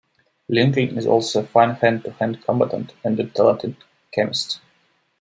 Lincoln is also a fine hand-to-hand combatant and a talented chemist.